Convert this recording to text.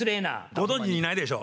ご存じないでしょ？